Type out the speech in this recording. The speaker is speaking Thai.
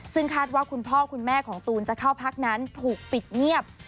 ซึ่งคาดว่าคุณพ่อคุณแม่ของตูนจะเข้าพักนั้นถูกปิดเงียบ